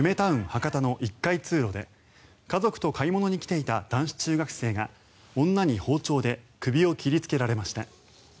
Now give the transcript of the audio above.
博多の１階通路で家族と買い物に来ていた男子中学生が女に包丁で首を切りつけられました。